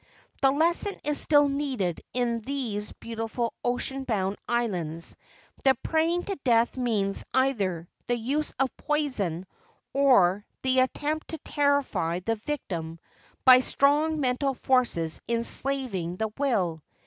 The lesson is still needed in these beautiful ocean bound islands that praying to death means either the use of poison or the attempt to terrify the victim by strong mental forces enslaving the will.